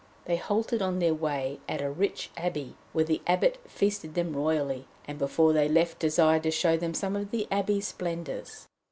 They halted on their way at a rich Abbey, where the Abbot feasted them royally and before they left desired to show them some of the Abbey's splendours.